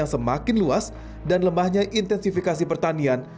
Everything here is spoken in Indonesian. yang semakin luas dan lemahnya intensifikasi pertanian